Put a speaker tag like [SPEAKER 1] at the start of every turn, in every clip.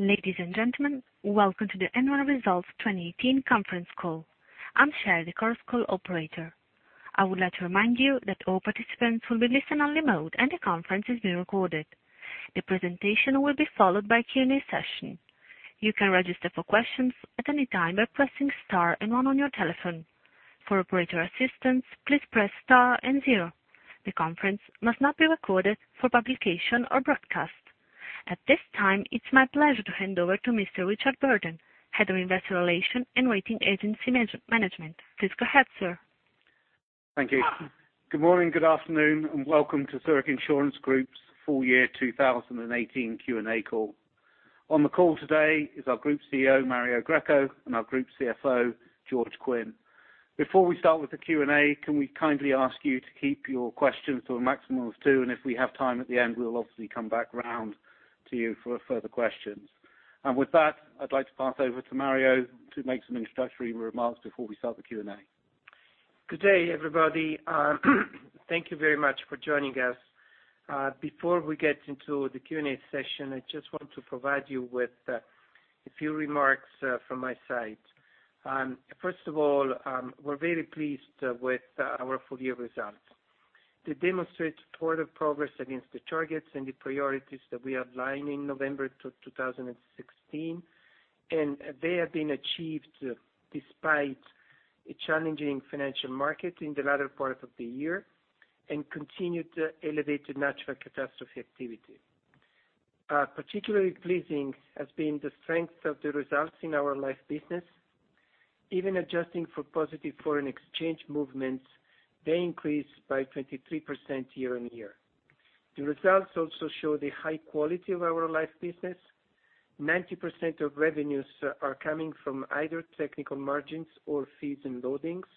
[SPEAKER 1] Ladies and gentlemen, welcome to the annual results 2018 conference call. I'm Sherry, the conference call operator. I would like to remind you that all participants will be in listen-only mode, and the conference is being recorded. The presentation will be followed by a Q&A session. You can register for questions at any time by pressing star one on your telephone. For operator assistance, please press star zero. The conference must not be recorded for publication or broadcast. At this time, it's my pleasure to hand over to Mr. Richard Burden, Head of Investor Relations and Rating Agency Management. Please go ahead, sir.
[SPEAKER 2] Thank you. Good morning, good afternoon, and welcome to Zurich Insurance Group's full-year 2018 Q&A call. On the call today is our Group CEO, Mario Greco, and our Group CFO, George Quinn. Before we start with the Q&A, can we kindly ask you to keep your questions to a maximum of two, and if we have time at the end, we will obviously come back around to you for further questions. With that, I'd like to pass over to Mario to make some introductory remarks before we start the Q&A.
[SPEAKER 3] Good day, everybody. Thank you very much for joining us. Before we get into the Q&A session, I just want to provide you with a few remarks from my side. First of all, we're very pleased with our full-year results. They demonstrate further progress against the targets and the priorities that we outlined in November 2016, and they have been achieved despite a challenging financial market in the latter part of the year and continued elevated natural catastrophe activity. Particularly pleasing has been the strength of the results in our Life business. Even adjusting for positive foreign exchange movements, they increased by 23% year-on-year. The results also show the high quality of our Life business. 90% of revenues are coming from either technical margins or fees and loadings,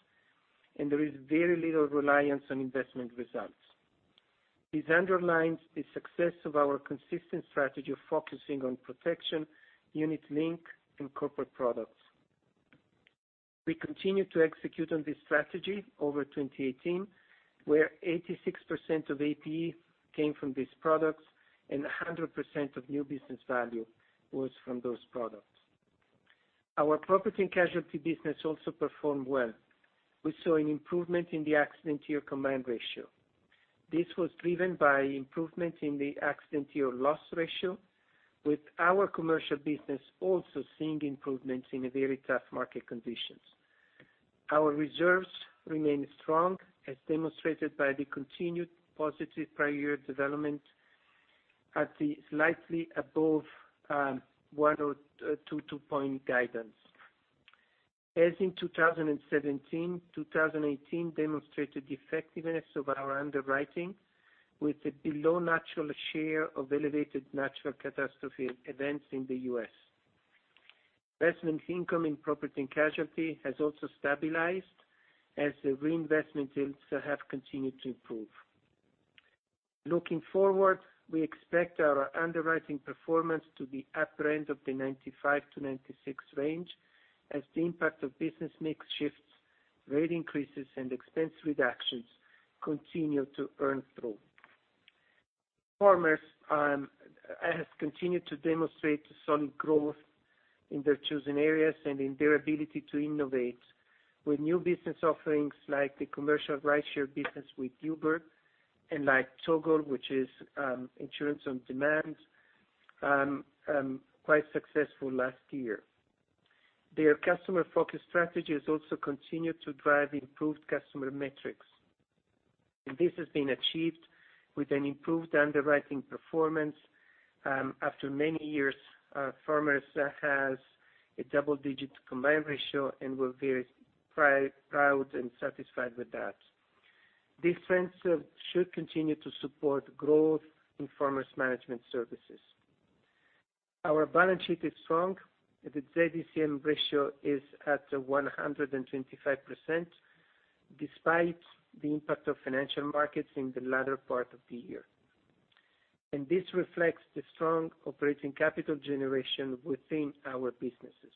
[SPEAKER 3] and there is very little reliance on investment results. This underlines the success of our consistent strategy of focusing on protection, unit-linked, and corporate products. We continued to execute on this strategy over 2018, where 86% of APE came from these products and 100% of new business value was from those products. Our Property & Casualty business also performed well. We saw an improvement in the accident year combined ratio. This was driven by improvement in the accident year loss ratio, with our Commercial business also seeing improvements in very tough market conditions. Our reserves remain strong, as demonstrated by the continued positive prior year development at the slightly above one or two, 2 point guidance. As in 2017, 2018 demonstrated the effectiveness of our underwriting with a below-natural share of elevated natural catastrophe events in the U.S. Investment income in Property & Casualty has also stabilized as the reinvestment yields have continued to improve. Looking forward, we expect our underwriting performance to be upper end of the 95%-96% range as the impact of business mix shifts, rate increases, and expense reductions continue to earn through. Farmers have continued to demonstrate solid growth in their chosen areas and in their ability to innovate with new business offerings like the commercial rideshare business with Uber and like Toggle, which is insurance on demand, quite successful last year. Their customer-focused strategy has also continued to drive improved customer metrics. This has been achieved with an improved underwriting performance. After many years, Farmers has a double-digit combined ratio, and we're very proud and satisfied with that. This trend should continue to support growth in Farmers Management Services. Our balance sheet is strong, and the Z-ECM ratio is at 125%, despite the impact of financial markets in the latter part of the year. This reflects the strong operating capital generation within our businesses.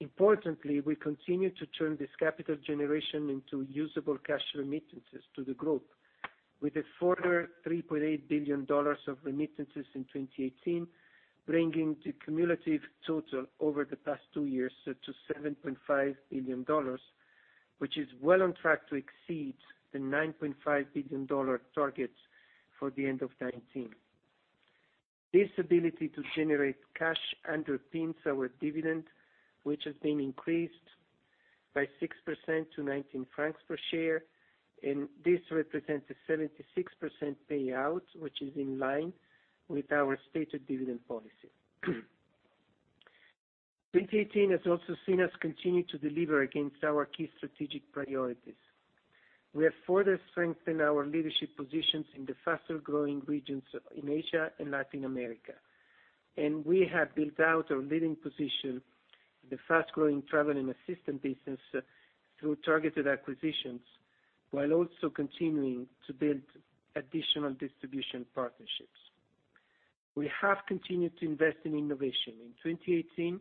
[SPEAKER 3] Importantly, we continue to turn this capital generation into usable cash remittances to the group with a further $3.8 billion of remittances in 2018, bringing the cumulative total over the past two years to $7.5 billion, which is well on track to exceed the $9.5 billion target for the end of 2019. This ability to generate cash underpins our dividend, which has been increased by 6% to 19 francs per share, and this represents a 76% payout, which is in line with our stated dividend policy. 2018 has also seen us continue to deliver against our key strategic priorities. We have further strengthened our leadership positions in the faster-growing regions in Asia and Latin America. We have built out our leading position in the fast-growing travel and assistance business through targeted acquisitions, while also continuing to build additional distribution partnerships. We have continued to invest in innovation. In 2018, we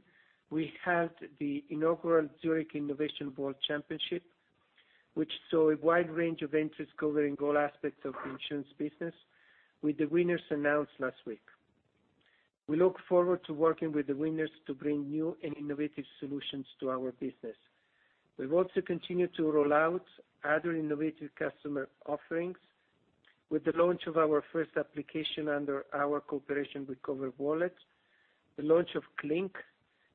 [SPEAKER 3] held the inaugural Zurich Innovation World Championship. Which saw a wide range of entries covering all aspects of the insurance business, with the winners announced last week. We look forward to working with the winners to bring new and innovative solutions to our business. We've also continued to roll out other innovative customer offerings, with the launch of our first application under our cooperation with CoverWallet. The launch of Klinc,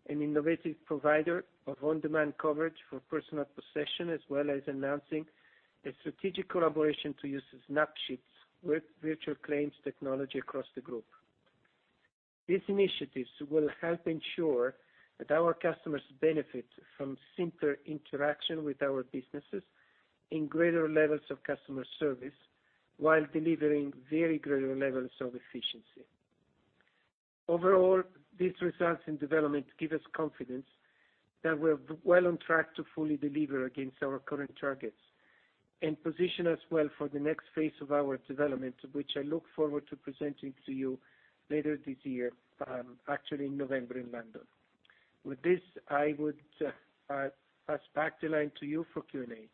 [SPEAKER 3] an innovative provider of on-demand coverage for personal possession, as well as announcing a strategic collaboration to use Snapsheet's virtual claims technology across the group. These initiatives will help ensure that our customers benefit from simpler interaction with our businesses, and greater levels of customer service, while delivering very greater levels of efficiency. Overall, these results and development give us confidence that we're well on track to fully deliver against our current targets and position us well for the next phase of our development, which I look forward to presenting to you later this year, actually in November in London. With this, I would pass back the line to you for Q&A.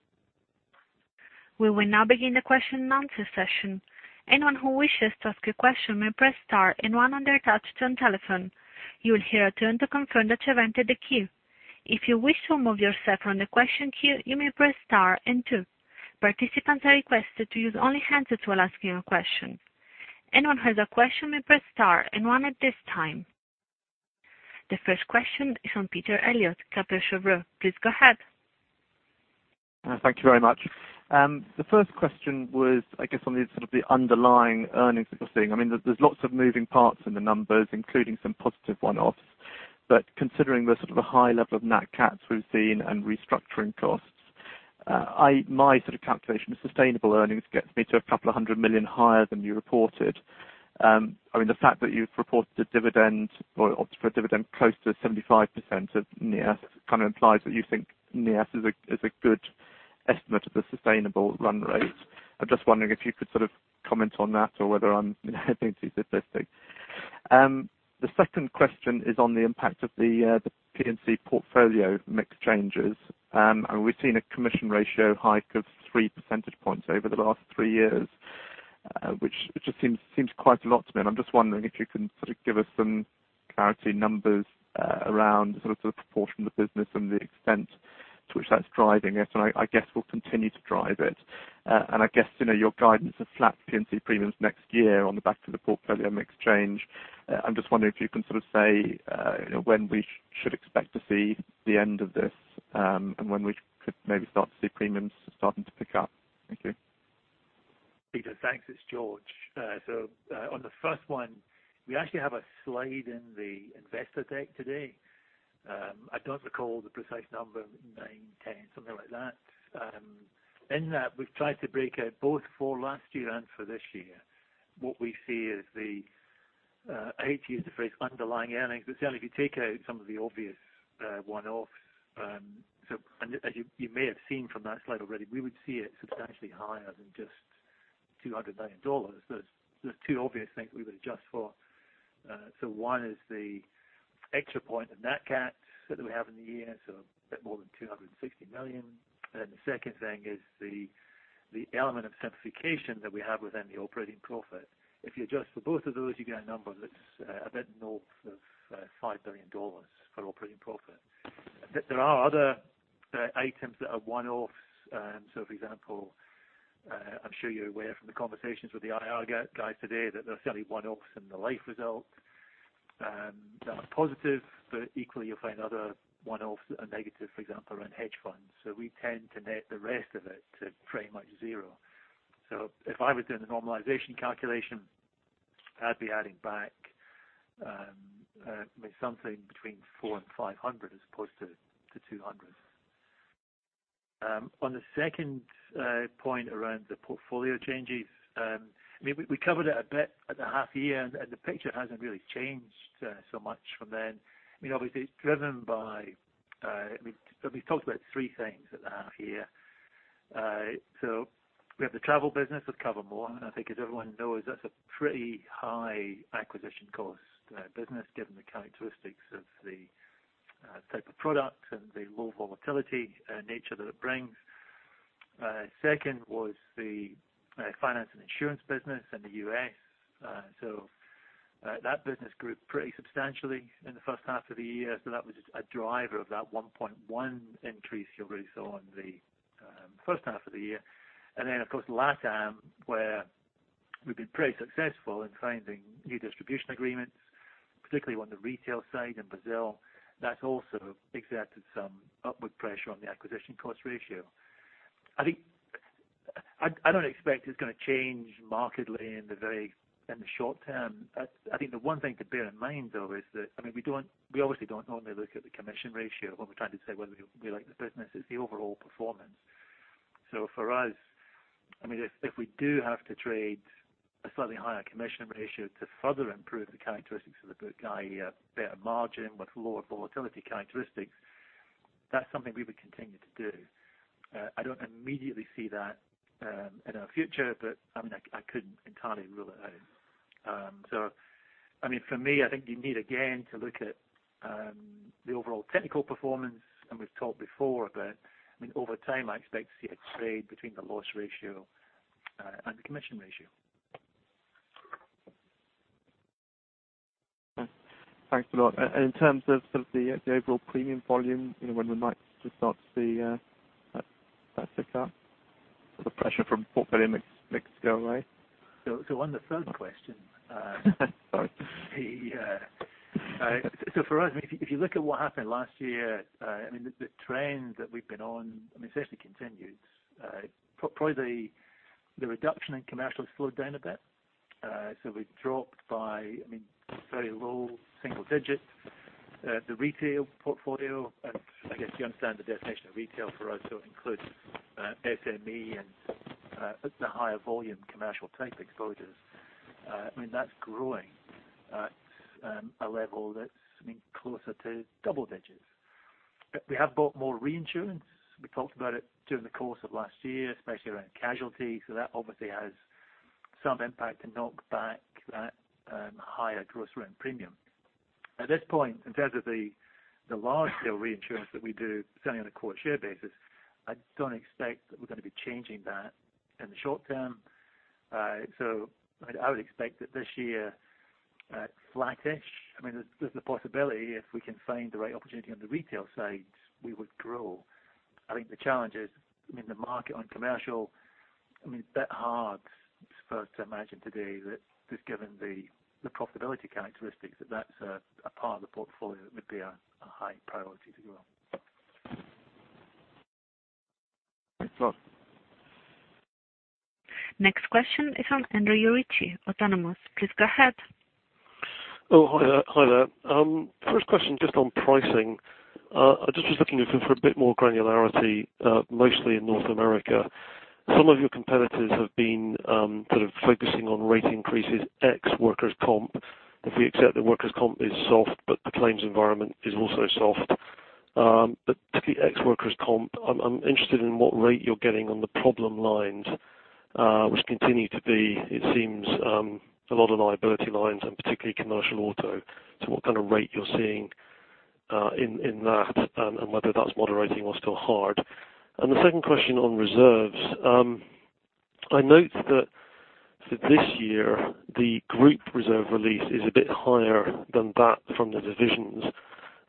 [SPEAKER 1] We will now begin the question and answer session. Anyone who wishes to ask a question may press star and one on their touch-tone telephone. You will hear a tone to confirm that you've entered the queue. If you wish to remove yourself from the question queue, you may press star and two. Participants are requested to use only hands as well asking a question. Anyone who has a question may press star and one at this time. The first question is from Peter Eliot, Kepler Cheuvreux. Please go ahead.
[SPEAKER 4] Thank you very much. The first question was, I guess, on these sort of the underlying earnings that you're seeing. There's lots of moving parts in the numbers, including some positive one-offs, but considering the sort of a high level of nat cats we've seen and restructuring costs, my sort of calculation of sustainable earnings gets me to a couple of hundred million higher than you reported. The fact that you've reported a dividend or opt for a dividend close to 75% of NIAS kind of implies that you think NIAS is a good estimate of the sustainable run rate. I'm just wondering if you could sort of comment on that or whether I'm being too simplistic. The second question is on the impact of the P&C portfolio mix changes. We've seen a commission ratio hike of 3 percentage points over the last three years, which just seems quite a lot to me. I'm just wondering if you can sort of give us some clarity numbers around sort of the proportion of the business and the extent to which that's driving it, and I guess will continue to drive it. I guess, your guidance of flat P&C premiums next year on the back of the portfolio mix change. I'm just wondering if you can sort of say when we should expect to see the end of this, and when we could maybe start to see premiums starting to pick up. Thank you.
[SPEAKER 5] Peter. Thanks. It's George. On the first one, we actually have a slide in the investor deck today. I don't recall the precise number, nine, 10, something like that. In that, we've tried to break out both for last year and for this year. What we see is the, I hate to use the phrase underlying earnings, but certainly if you take out some of the obvious one-offs. As you may have seen from that slide already, we would see it substantially higher than just $200 million. There's two obvious things we would adjust for. One is the extra point in nat cats that we have in the year, so a bit more than $260 million. The second thing is the element of simplification that we have within the operating profit. If you adjust for both of those, you get a number that's a bit north of $5 billion for operating profit. There are other items that are one-offs. For example, I'm sure you're aware from the conversations with the IR guys today that there are certainly one-offs in the Life result, that are positive, but equally you'll find other one-offs that are negative, for example, in hedge funds. We tend to net the rest of it to pretty much zero. If I was doing a normalization calculation, I'd be adding back something between $400 million and $500 million as opposed to $200 million. On the second point around the portfolio changes. We covered it a bit at the half year, and the picture hasn't really changed so much from then. We talked about three things at the half year. We have the travel business with Cover-More, and I think as everyone knows, that's a pretty high-acquisition cost business given the characteristics of the type of product and the low volatility nature that it brings. Second was the finance and insurance business in the U.S. That business grew pretty substantially in the first half of the year. That was a driver of that 1.1 increase you already saw in the first half of the year. Of course, LatAm, where we've been pretty successful in finding new distribution agreements, particularly on the retail side in Brazil. That's also exerted some upward pressure on the acquisition cost ratio. I don't expect it's going to change markedly in the short term. I think the one thing to bear in mind, though, is that, we obviously don't normally look at the commission ratio when we're trying to say whether we like the business. It's the overall performance. For us, if we do have to trade a slightly higher commission ratio to further improve the characteristics of the book, i.e., a better margin with lower volatility characteristics, that's something we would continue to do. I don't immediately see that in our future, but I couldn't entirely rule it out. For me, I think you need again to look at the overall technical performance. We've talked before about, over time, I expect to see it trade between the loss ratio and the commission ratio.
[SPEAKER 4] Thanks a lot. In terms of the overall premium volume, when we might just start to see that tick up. The pressure from portfolio mix go away.
[SPEAKER 5] On the third question.
[SPEAKER 4] Sorry.
[SPEAKER 5] For us, if you look at what happened last year, the trend that we've been on essentially continues. Probably the reduction in Commercial has slowed down a bit. We've dropped by very low single digits. The retail portfolio, I guess you understand the definition of retail for us, it includes SME and the higher-volume commercial-type exposures. That's growing at a level that's closer to double digits. We have bought more reinsurance. We talked about it during the course of last year, especially around Casualty. That obviously has some impact to knock back that higher gross written premium. At this point, in terms of the large deal reinsurance that we do certainly on a quota share basis, I don't expect that we're going to be changing that in the short term. I would expect that this year, flat-ish. There's the possibility if we can find the right opportunity on the retail side, we would grow. I think the challenge is the market on Commercial, it's a bit hard, I suppose, to imagine today that just given the profitability characteristics, that that's a part of the portfolio that would be a high priority to grow.
[SPEAKER 4] Thanks a lot.
[SPEAKER 1] Next question is from Andrew Ritchie, Autonomous. Please go ahead.
[SPEAKER 6] Hi there. First question, just on pricing. I just was looking for a bit more granularity, mostly in North America. Some of your competitors have been focusing on rate increases ex workers' comp. If we accept that workers' comp is soft, but the claims environment is also soft. Particularly ex workers' comp, I'm interested in what rate you're getting on the problem lines, which continue to be, it seems, a lot of liability lines and particularly commercial auto. What kind of rate you're seeing in that and whether that's moderating or still hard. The second question on reserves. I note that for this year, the group reserve release is a bit higher than that from the divisions.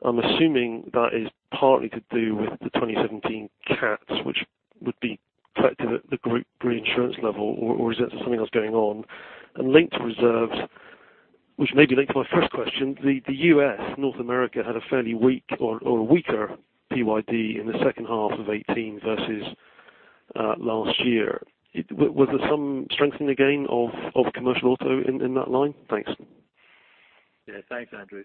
[SPEAKER 6] I'm assuming that is partly to do with the 2017 cats, which would be collected at the group reinsurance level, or is it something else going on? Linked to reserves, which may be linked to my first question, the U.S., North America, had a fairly weak or weaker PYD in the second half of 2018 versus last year. Was there some strengthening again of commercial auto in that line? Thanks.
[SPEAKER 5] Yeah. Thanks, Andrew.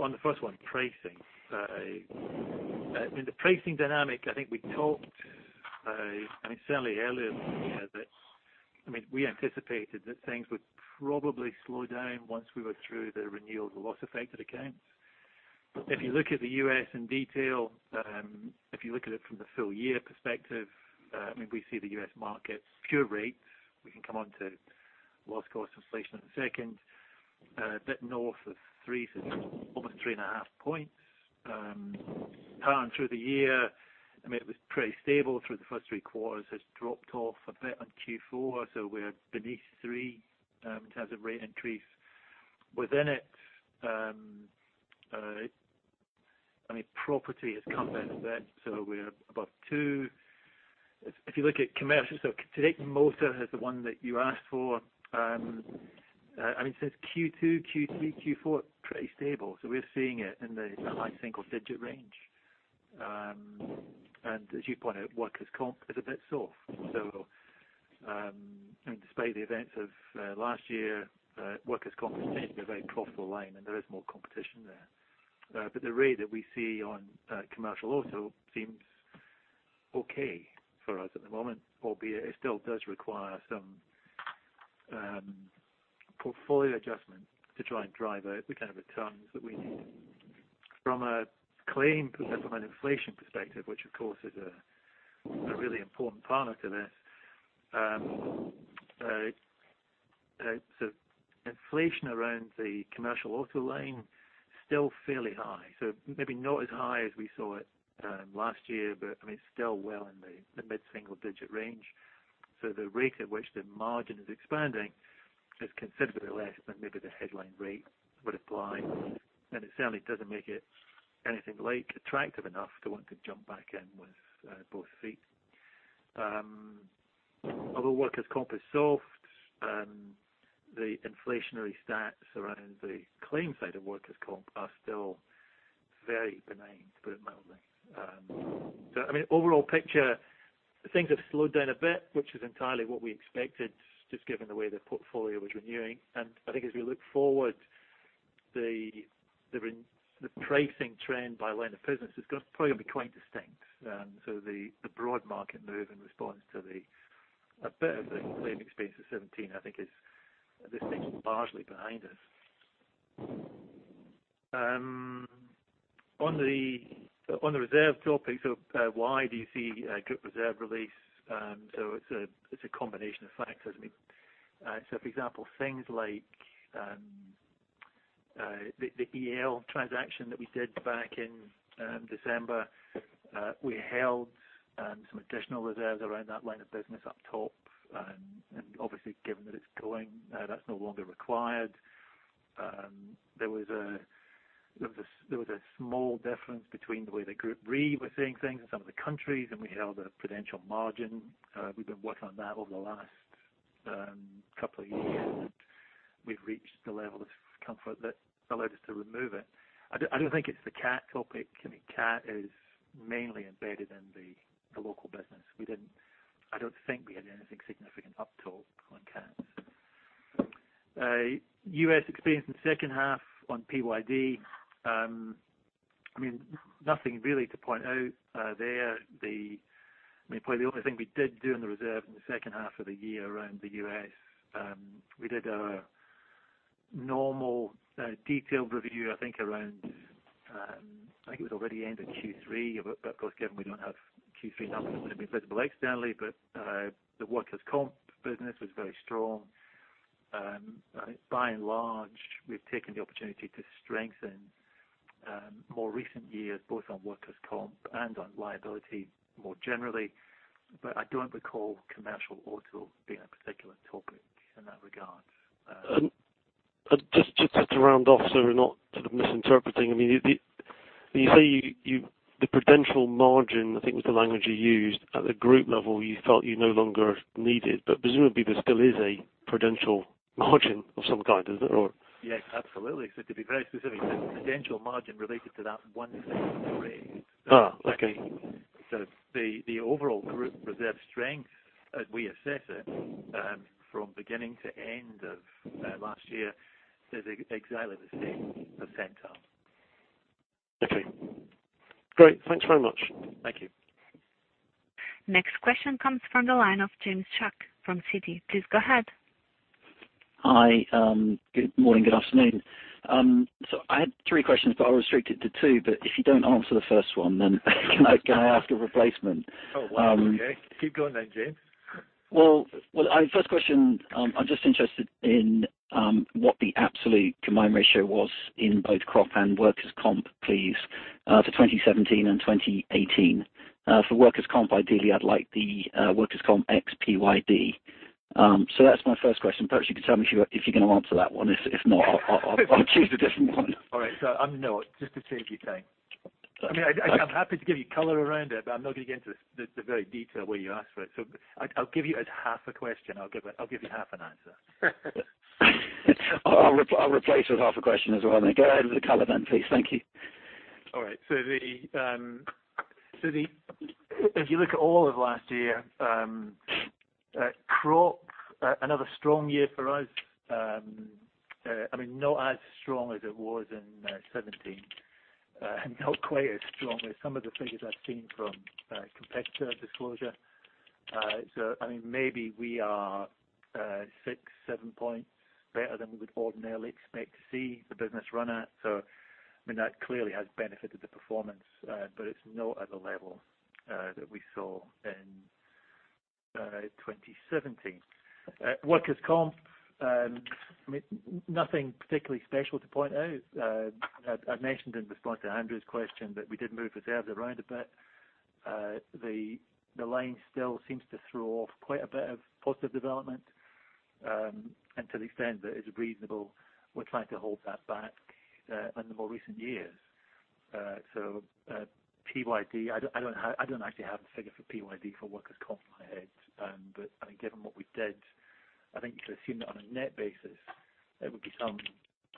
[SPEAKER 5] On the first one, pricing. The pricing dynamic, I think we talked, certainly earlier in the year that we anticipated that things would probably slow down once we were through the renewals loss affected accounts. If you look at the U.S. in detail, if you look at it from the full-year perspective, we see the U.S. market pure rates. We can come onto loss cost inflation in a second. A bit north of 3 points to almost 3.5 points. Pattern through the year, it was pretty stable through the first three quarters, has dropped off a bit on Q4, so we're beneath 3% in terms of rate increase. Within it, Property has come down a bit, so we're above 2%. If you look at Commercial, taking motor as the one that you asked for. Since Q2, Q3, Q4, pretty stable. We're seeing it in the high single digit range. As you pointed out, workers' comp is a bit soft. Despite the events of last year, workers' comp continues to be a very profitable line, and there is more competition there. The rate that we see on commercial auto seems okay for us at the moment, albeit it still does require some portfolio adjustment to try to drive out the kind of returns that we need. From a claim perspective, an inflation perspective, which of course is a really important partner to this. Inflation around the commercial auto line, still fairly high. Maybe not as high as we saw it last year, but it's still well in the mid-single digit range. The rate at which the margin is expanding is considerably less than maybe the headline rate would apply. It certainly doesn't make it anything like attractive enough that one could jump back in with both feet. Although workers' comp is soft, the inflationary stats around the claim side of workers' comp are still very benign, to put it mildly. Overall picture, things have slowed down a bit, which is entirely what we expected, just given the way the portfolio was renewing. I think as we look forward, the pricing trend by line of business is probably going to be quite distinct. The broad market move in response to a bit of the claim experience of 2017, I think this thing is largely behind us. On the reserve topic. Why do you see a group reserve release? It's a combination of factors. For example, things like the EL transaction that we did back in December, we held some additional reserves around that line of business up top. Obviously given that it's going, that's no longer required. There was a small difference between the way the group re were seeing things in some of the countries, and we held a prudential margin. We've been working on that over the last couple of years. We've reached the level of comfort that allowed us to remove it. I don't think it's the cat topic. I mean, cat is mainly embedded in the local business. I don't think we had anything significant uptalk on cats. U.S. experience in the second half on PYD. I mean, nothing really to point out there. Probably the only thing we did do in the reserve in the second half of the year around the U.S., we did our normal detailed review, it was already end of Q3, but of course, given we don't have Q3 numbers, it wouldn't be visible externally, but the workers' comp business was very strong. I think by and large, we've taken the opportunity to strengthen more recent years, both on workers' comp and on liability more generally. I don't recall commercial auto being a particular topic in that regard.
[SPEAKER 6] Just to round off so we're not sort of misinterpreting. You say the prudential margin, I think was the language you used. At the group level, you felt you no longer needed, presumably there still is a prudential margin of some kind, is it?
[SPEAKER 5] Yes, absolutely. To be very specific, the prudential margin related to that one.
[SPEAKER 6] Okay.
[SPEAKER 5] The overall group reserve strength as we assess it from beginning to end of last year is exactly the same percentile.
[SPEAKER 6] Okay, great. Thanks very much.
[SPEAKER 5] Thank you.
[SPEAKER 1] Next question comes from the line of James Shuck from Citi. Please go ahead.
[SPEAKER 7] Hi. Good morning, good afternoon. I had three questions. I'll restrict it to two. If you don't answer the first one, can I ask a replacement?
[SPEAKER 5] Oh, wow, okay. Keep going, James.
[SPEAKER 7] First question. I'm just interested in what the absolute combined ratio was in both crop and workers' comp, please, for 2017 and 2018. For workers' comp, ideally, I'd like the workers' comp ex PYD. That's my first question. Perhaps you can tell me if you're going to answer that one. If not, I'll choose a different one.
[SPEAKER 5] All right. I'm not, just to save you time.
[SPEAKER 7] Sorry.
[SPEAKER 5] I mean, I'm happy to give you color around it, I'm not going to get into the very detail way you asked for it. I'll give you as half a question, I'll give you half an answer.
[SPEAKER 7] I'll replace with half a question as well then. Go ahead with the color then, please. Thank you.
[SPEAKER 5] All right. If you look at all of last year, crop, another strong year for us. I mean, not as strong as it was in 2017. Not quite as strong as some of the figures I've seen from competitor disclosure. I mean, maybe we are 6 points, 7 points better than we would ordinarily expect to see the business run at. I mean, that clearly has benefited the performance. It's not at the level that we saw in 2017. Workers' comp, I mean, nothing particularly special to point out. I've mentioned in response to Andrew's question that we did move reserves around a bit. The line still seems to throw off quite a bit of positive development. To the extent that is reasonable, we're trying to hold that back in the more recent years. PYD, I don't actually have a figure for PYD for workers' comp in my head. I mean, given what we did, I think you could assume that on a net basis there would be some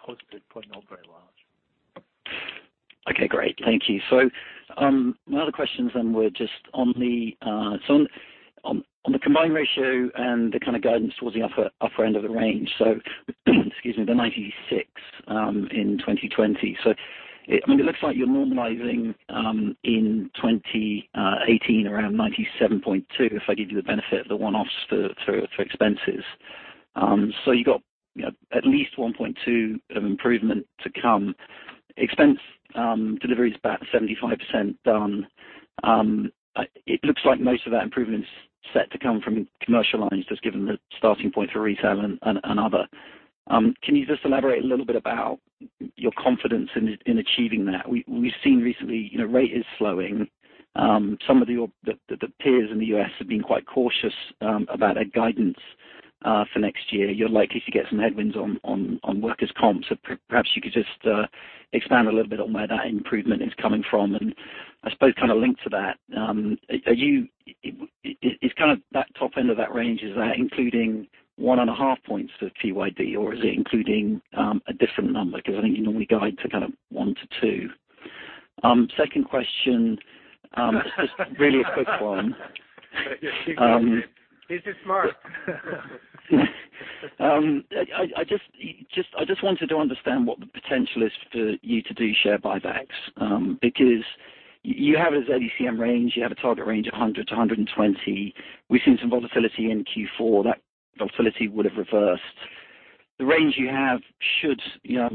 [SPEAKER 5] positive point, not very large.
[SPEAKER 7] Okay, great. Thank you. My other questions were just on the combined ratio and the kind of guidance towards the upper end of the range. Excuse me, the 96% in 2020. It looks like you're normalizing in 2018 around 97.2% if I give you the benefit of the one-offs for expenses. You got at least 1.2% of improvement to come. Expense delivery is about 75% done. It looks like most of that improvement's set to come from commercial lines, just given the starting point for retail and other. Can you just elaborate a little bit about your confidence in achieving that? We've seen recently rate is slowing. Some of the peers in the U.S. have been quite cautious about their guidance for next year. You're likely to get some headwinds on workers' comp. Perhaps you could just expand a little bit on where that improvement is coming from. I suppose kind of linked to that. It's kind of that top end of that range. Is that including 1.5 points for PYD or is it including a different number? Because I think you normally guide to kind of 1 points-2 points. Second question. Just really a quick one.
[SPEAKER 5] He's smart.
[SPEAKER 7] I just wanted to understand what the potential is for you to do share buybacks. You have a Z-ECM range. You have a target range of 100%-120%. We've seen some volatility in Q4. That volatility would have reversed. The range you have should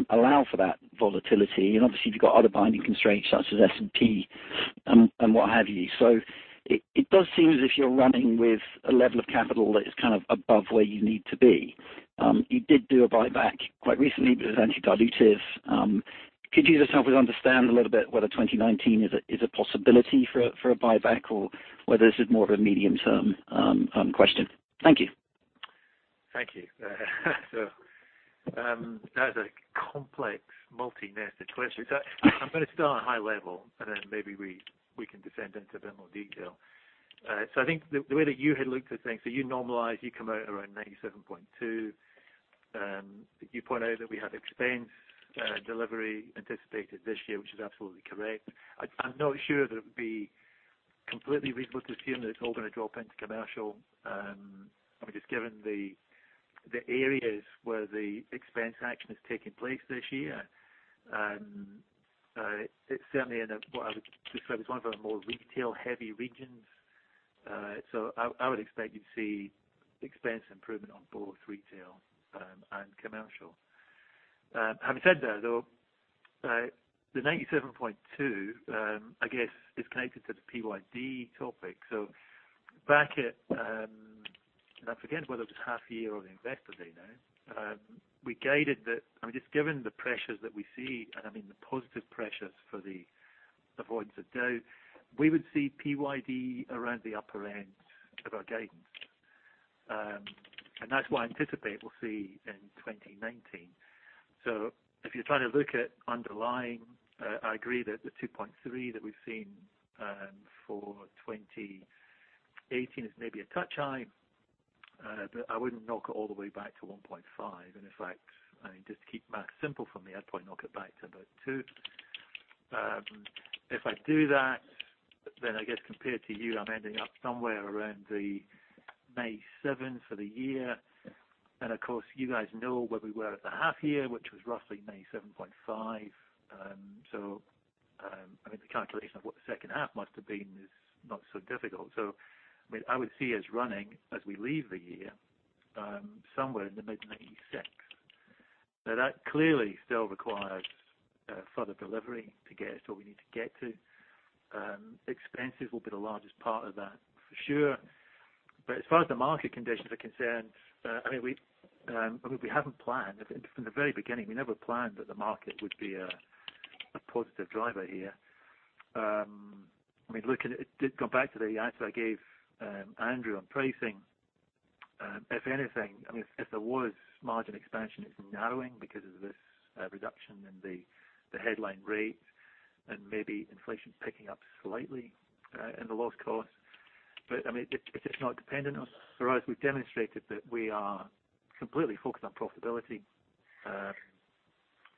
[SPEAKER 7] allow for that volatility, and obviously, if you've got other binding constraints such as S&P and what have you. It does seem as if you're running with a level of capital that is above where you need to be. You did do a buyback quite recently, but it was anti-dilutive. Could you just help me understand a little bit whether 2019 is a possibility for a buyback? Or whether this is more of a medium-term question. Thank you.
[SPEAKER 5] Thank you. That is a complex, multi-nested question. I'm going to start at a high level, and then maybe we can descend into a bit more detail. I think the way that you had looked at things, you normalize, you come out around 97.2%. You point out that we have expense delivery anticipated this year, which is absolutely correct. I'm not sure that it would be completely reasonable to assume that it's all going to drop into Commercial. Just given the areas where the expense action is taking place this year. It's certainly in what I would describe as one of our more retail-heavy regions. I would expect you'd see expense improvement on both retail and commercial. Having said that, though, the 97.2%, I guess, is connected to the PYD topic. Back at, and I forget whether it was half year or Investor Day now. We guided that, just given the pressures that we see, and the positive pressures for the avoidance of doubt, we would see PYD around the upper end of our guidance. That's what I anticipate we'll see in 2019. If you're trying to look at underlying, I agree that the 2.3 that we've seen for 2018 is maybe a touch high. I wouldn't knock it all the way back to 1.5. In fact, just to keep maths simple for me, I'd probably knock it back to about two. If I do that, I guess compared to you, I'm ending up somewhere around the 97% for the year. Of course, you guys know where we were at the half year, which was roughly 97.5%. The calculation of what the second half must have been is not so difficult. I would see us running as we leave the year, somewhere in the mid-96%. That clearly still requires further delivery to get us to where we need to get to. Expenses will be the largest part of that, for sure. As far as the market conditions are concerned, we haven't planned. From the very beginning, we never planned that the market would be a positive driver here. Look, going back to the answer I gave Andrew on pricing. If anything, if there was margin expansion, it's narrowing because of this reduction in the headline rate and maybe inflation picking up slightly in the loss cost. It's just not dependent on us. Whereas we've demonstrated that we are completely focused on profitability.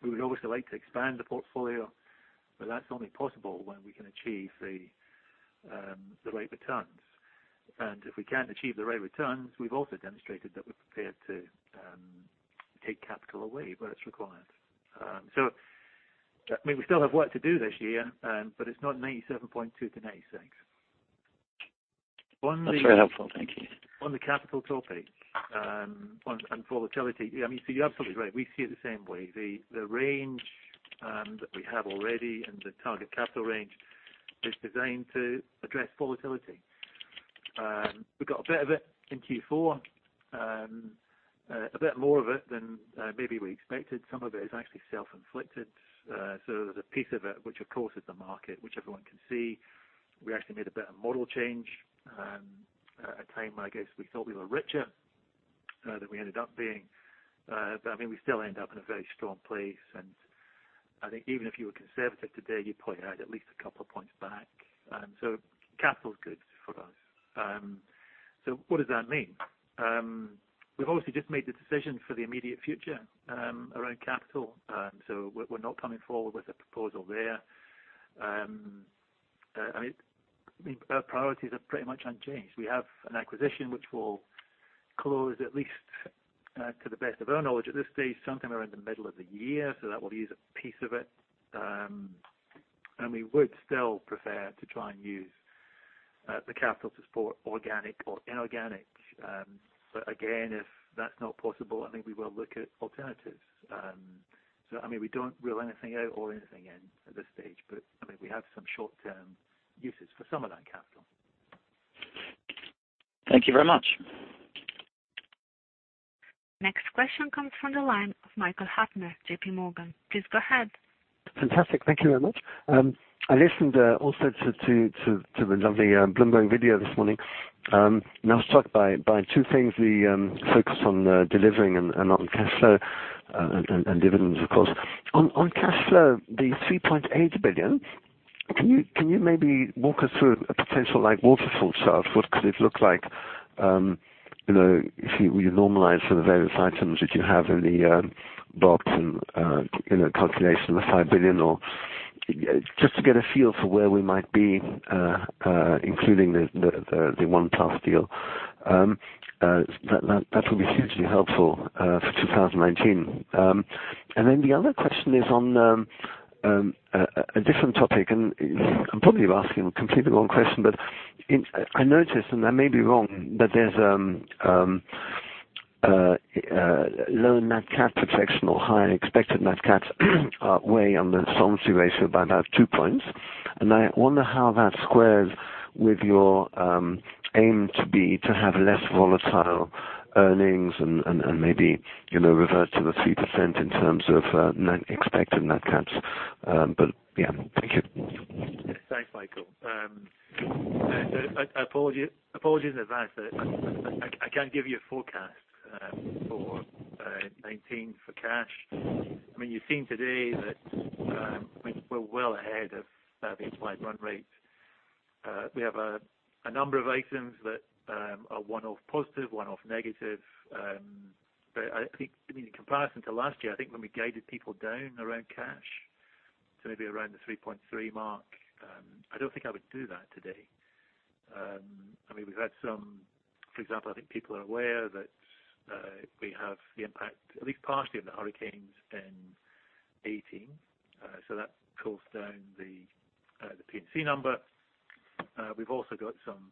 [SPEAKER 5] We would obviously like to expand the portfolio, but that's only possible when we can achieve the right returns. If we can't achieve the right returns, we've also demonstrated that we're prepared to take capital away where it's required. We still have work to do this year, but it's not 97.2% to 96%.
[SPEAKER 7] That's very helpful. Thank you.
[SPEAKER 5] On the capital topic, on volatility. You're absolutely right. We see it the same way. The range that we have already and the target capital range is designed to address volatility. We got a bit of it in Q4. A bit more of it than maybe we expected. Some of it is actually self-inflicted. There's a piece of it, which of course is the market, which everyone can see. We actually made a bit of a model change at a time when I guess we thought we were richer than we ended up being. We still end up in a very strong place, and I think even if you were conservative today, you'd point out at least a couple of points back. Capital is good for us. What does that mean? We've obviously just made the decision for the immediate future around capital. We're not coming forward with a proposal there. Our priorities are pretty much unchanged. We have an acquisition which will close, at least to the best of our knowledge at this stage, sometime around the middle of the year. That will use a piece of it. We would still prefer to try and use the capital to support organic or inorganic. Again, if that's not possible, I think we will look at alternatives. We don't rule anything out or anything in at this stage. We have some short-term uses for some of that capital.
[SPEAKER 7] Thank you very much.
[SPEAKER 1] Next question comes from the line of Michael Huttner, JPMorgan. Please go ahead.
[SPEAKER 8] Fantastic. Thank you very much. I listened also to the lovely Bloomberg video this morning. I was struck by two things, the focus on delivering and on cash flow and dividends, of course. On cash flow, the $3.8 billion, can you maybe walk us through a potential like waterfall chart? What could it look like if you normalize for the various items that you have in the box and calculation of the $5 billion? Or just to get a feel for where we might be including the OnePath deal. That would be hugely helpful for 2019. Then the other question is on a different topic, and I'm probably asking a completely wrong question, but I noticed, and I may be wrong, that there's low nat cat protection or high expected nat cat weight on the solvency ratio by about 2 points. I wonder how that squares with your aim to have less volatile earnings and maybe revert to the 3% in terms of expected nat cats. Yeah, thank you.
[SPEAKER 5] Thanks, Michael. Apologies in advance. I can't give you a forecast for 2019 for cash. You've seen today that we're well ahead of the implied run rate. We have a number of items that are one-off positive, one-off negative, but I think in comparison to last year, I think when we guided people down around cash to maybe around the $3.3 billion mark, I don't think I would do that today. We've had some, for example, I think people are aware that we have the impact, at least partially, of the hurricanes in 2018, so that pulls down the P&C number. We've also got some,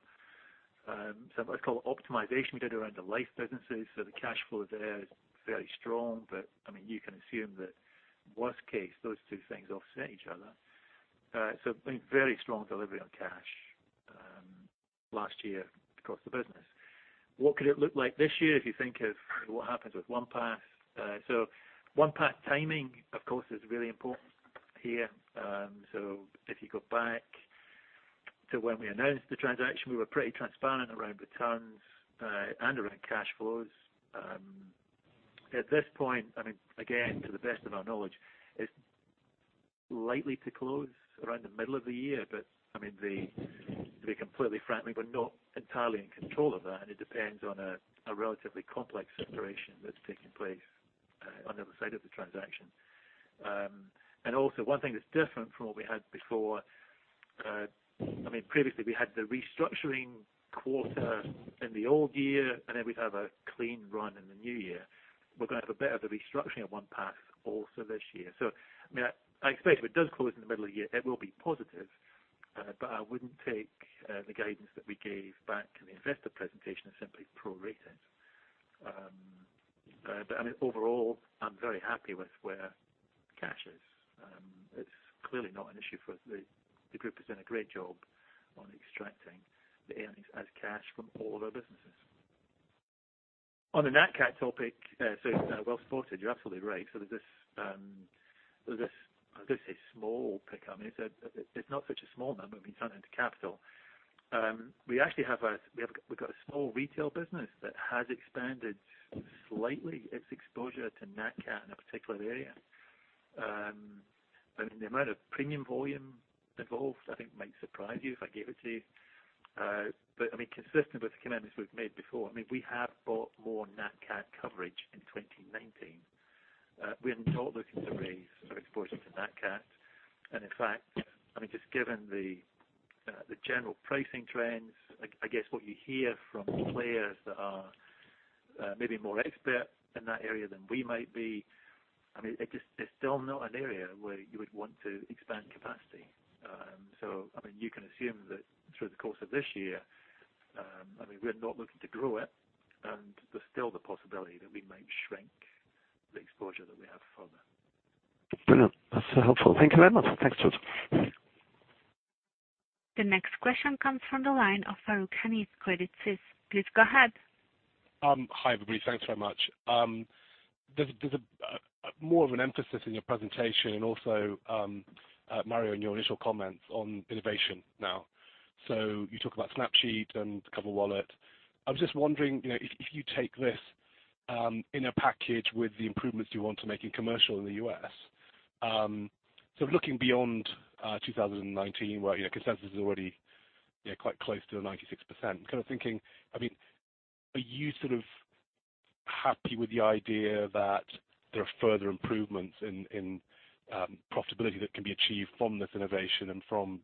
[SPEAKER 5] let's call it optimization we did around the Life businesses. The cash flow there is very strong. You can assume that worst case, those two things offset each other. Very strong delivery on cash last year across the business. What could it look like this year if you think of what happens with OnePath? OnePath timing, of course, is really important here. If you go back to when we announced the transaction, we were pretty transparent around returns and around cash flows. At this point, again, to the best of our knowledge, it's likely to close around the middle of the year. To be completely frank, we're not entirely in control of that. It depends on a relatively complex separation that's taking place on the other side of the transaction. Also one thing that's different from what we had before, previously we had the restructuring quarter in the old year, then we'd have a clean run in the new year. We're going to have a bit of the restructuring at OnePath also this year. I expect if it does close in the middle of the year, it will be positive. I wouldn't take the guidance that we gave back in the investor presentation and simply prorate it. Overall, I'm very happy with where cash is. It's clearly not an issue for us. The group has done a great job on extracting the earnings as cash from all of our businesses. On the nat cat topic, well spotted. You're absolutely right. There's this small pick-up. It's not such a small number when you turn it into capital. We've got a small retail business that has expanded slightly its exposure to nat cat in a particular area. The amount of premium volume involved, I think might surprise you if I gave it to you. Consistent with the comments we've made before, we have bought more nat cat coverage in 2019. We are not looking to raise our exposure to nat cat, in fact, just given the general pricing trends, I guess what you hear from players that are maybe more expert in that area than we might be, it's still not an area where you would want to expand capacity. You can assume that through the course of this year, we're not looking to grow it, and there's still the possibility that we might shrink the exposure that we have further.
[SPEAKER 8] Brilliant. That's helpful. Thank you very much. Thanks, George.
[SPEAKER 1] The next question comes from the line of Farooq Hanif, Credit Suisse. Please go ahead.
[SPEAKER 9] Hi, everybody. Thanks very much. There's more of an emphasis in your presentation and also, Mario, in your initial comments on innovation now. You talk about Snapsheet and CoverWallet. I was just wondering if you take this in a package with the improvements you want to make in commercial in the U.S. Looking beyond 2019 where your consensus is already quite close to the 96%, I'm kind of thinking, are you sort of happy with the idea that there are further improvements in profitability that can be achieved from this innovation and from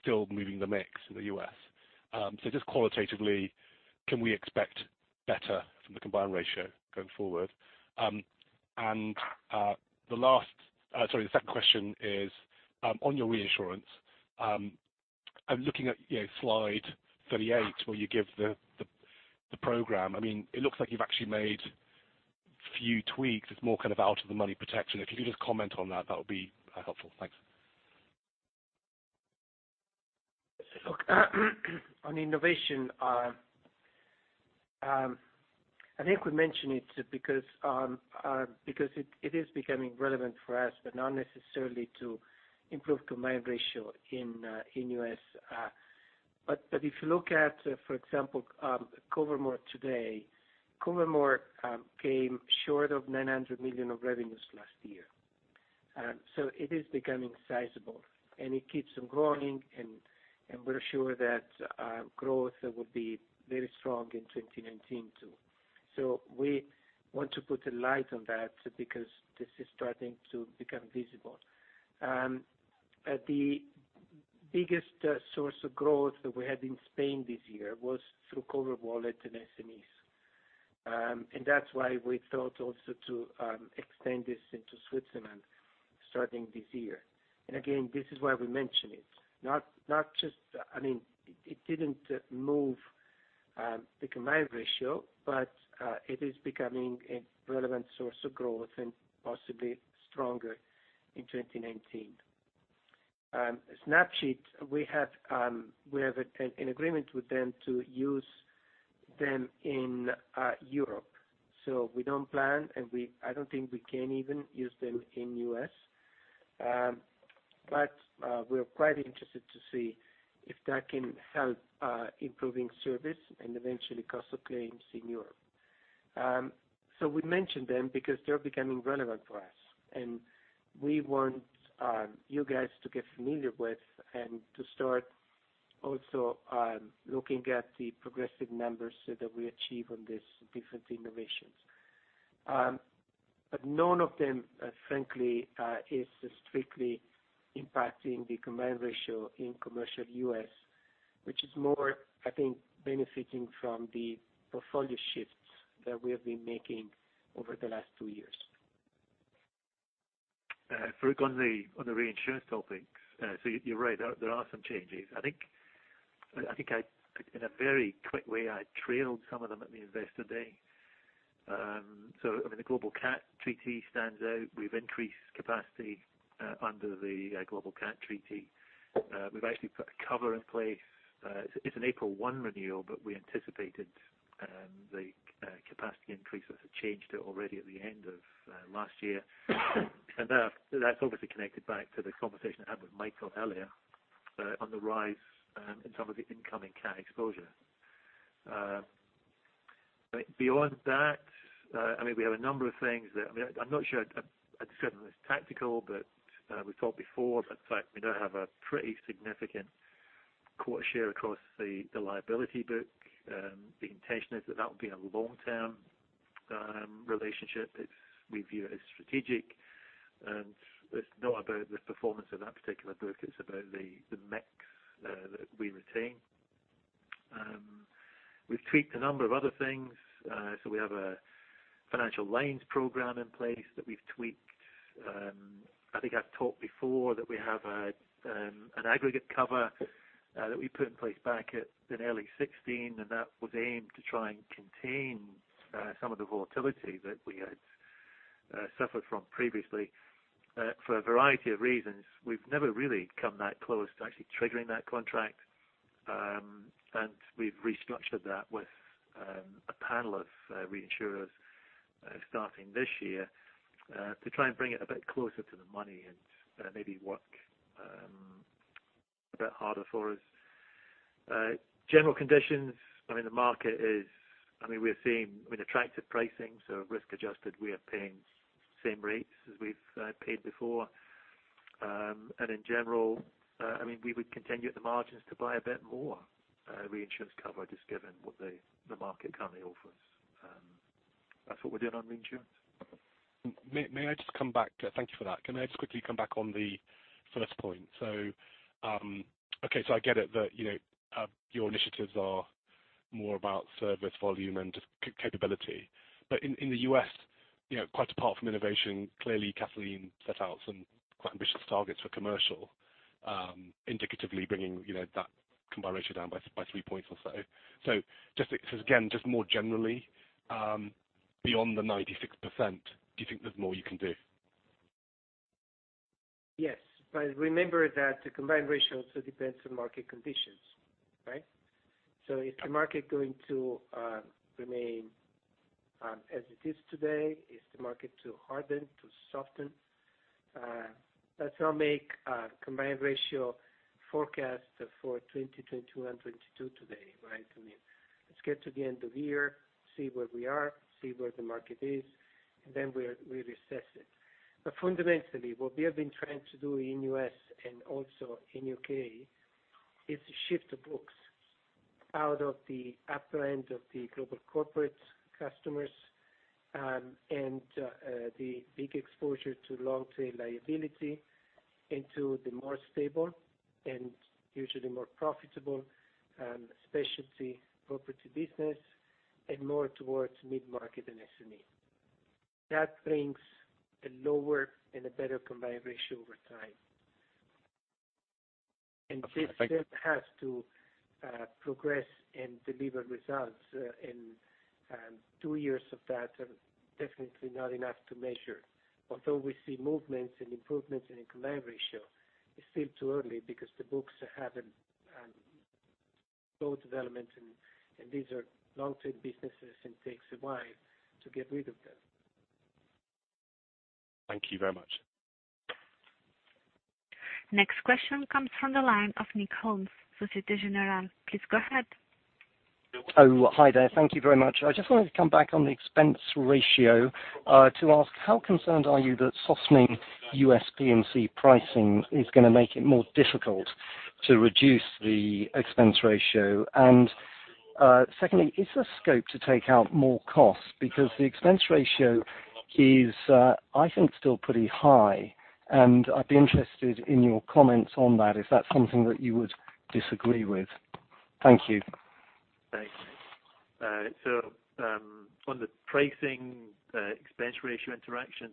[SPEAKER 9] still moving the mix in the U.S.? Just qualitatively, can we expect better from the combined ratio going forward? The second question is on your reinsurance. I'm looking at slide 38 where you give the program. It looks like you've actually made a few tweaks. It's more kind of out of the money protection. If you could just comment on that would be helpful. Thanks.
[SPEAKER 3] Look on innovation, I think we mention it because it is becoming relevant for us, not necessarily to improve combined ratio in U.S. If you look at, for example, Cover-More today, Cover-More came short of $900 million of revenues last year. It is becoming sizable, and it keeps on growing, and we're sure that growth will be very strong in 2019 too. We want to put a light on that because this is starting to become visible. The biggest source of growth that we had in Spain this year was through CoverWallet and SMEs. That's why we thought also to extend this into Switzerland starting this year. Again, this is why we mention it. It didn't move the combined ratio, but it is becoming a relevant source of growth and possibly stronger in 2019. Snapsheet, we have an agreement with them to use them in Europe. We don't plan, and I don't think we can even use them in U.S. We're quite interested to see if that can help improving service and eventually cost of claims in Europe. We mention them because they're becoming relevant for us, and we want you guys to get familiar with and to start also looking at the progressive numbers so that we achieve on these different innovations. None of them, frankly, is strictly impacting the combined ratio in commercial U.S., which is more, I think, benefiting from the portfolio shifts that we have been making over the last two years.
[SPEAKER 5] Farooq, on the reinsurance topic. You're right, there are some changes. I think in a very quick way, I trailed some of them at the Investor Day. The global cat treaty stands out. We've increased capacity under the global cat treaty. We've actually put a cover in place. It's an April 1 renewal, but we anticipated the capacity increases had changed already at the end of last year. That's obviously connected back to the conversation I had with Michael earlier on the rise in some of the incoming cat exposure. Beyond that, we have a number of things that, I'm not sure I'd describe them as tactical, but we thought before the fact we now have a pretty significant quota share across the liability book. The intention is that will be a long-term relationship. We view it as strategic, it's not about the performance of that particular book. It's about the mix that we retain. We've tweaked a number of other things. We have a financial lines program in place that we've tweaked. I think I've talked before that we have an aggregate cover that we put in place back in early 2016, and that was aimed to try and contain some of the volatility that we had suffered from previously. For a variety of reasons, we've never really come that close to actually triggering that contract. We've restructured that with a panel of reinsurers starting this year to try and bring it a bit closer to the money and maybe work a bit harder for us. General conditions, we're seeing attractive pricing. Risk adjusted, we are paying same rates as we've paid before. In general, we would continue at the margins to buy a bit more reinsurance cover, just given what the market currently offers. That's what we're doing on reinsurance.
[SPEAKER 9] May I just come back? Thank you for that. Can I just quickly come back on the first point? Okay. I get it that your initiatives are more about service volume and capability. In the U.S., quite apart from innovation, clearly Kathleen set out some quite ambitious targets for Commercial, indicatively bringing that combined ratio down by 3 points or so. Just again, just more generally, beyond the 96%, do you think there's more you can do?
[SPEAKER 3] Yes. Remember that the combined ratio also depends on market conditions, right? Is the market going to remain as it is today? Is the market to harden, to soften? Let's not make a combined ratio forecast for 2022 and 2022 today, right? Let's get to the end of year, see where we are, see where the market is, and then we'll reassess it. Fundamentally, what we have been trying to do in U.S. and also in U.K. is shift the books out of the upper end of the global corporate customers and the big exposure to long-tail liability into the more stable and usually more profitable specialty property business and more towards mid-market and SME. That brings a lower and a better combined ratio over time.
[SPEAKER 9] Okay. Thank you.
[SPEAKER 3] This still has to progress and deliver results, and two years of that are definitely not enough to measure. Although we see movements and improvements in the combined ratio, it's still too early because the books have a slow development, and these are long-tail businesses and takes a while to get rid of them.
[SPEAKER 9] Thank you very much.
[SPEAKER 1] Next question comes from the line of Nick Holmes, Société Générale. Please go ahead.
[SPEAKER 10] Hi there. Thank you very much. I just wanted to come back on the expense ratio to ask how concerned are you that softening U.S. P&C pricing is going to make it more difficult to reduce the expense ratio. Secondly, is there scope to take out more costs? The expense ratio is, I think, still pretty high. I'd be interested in your comments on that, if that's something that you would disagree with. Thank you.
[SPEAKER 5] Thanks. On the pricing expense ratio interaction,